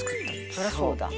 そりゃそうだ」